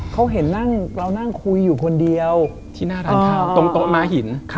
เขาเห็นเรานั่งคุยอยู่คนเดียวที่หน้าร้านข้าวตรงโต๊ะม้าหิน